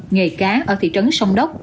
nghề cá ở thị trấn sông đốc